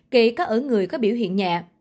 kể có ở người có biểu hiện nhẹ